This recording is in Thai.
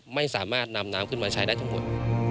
ไม่สามารถนำน้ำขึ้นมาใช้ได้ทั้งหมด